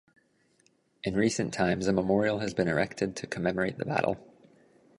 In recent times a memorial has been erected to commemorate the battle.